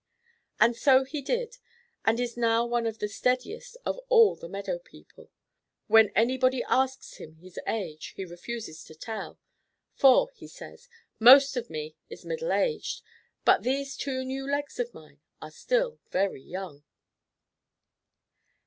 And so he did, and is now one of the steadiest of all the meadow people. When anybody asks him his age, he refuses to tell, "For," he says, "most of me is middle aged, but these two new legs of mine are still very young."